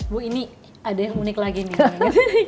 bu ini ada yang unik lagi nih